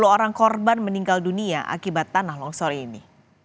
sepuluh orang korban meninggal dunia akibat tanah longsor ini